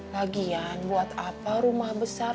bagian buat apa rumah besar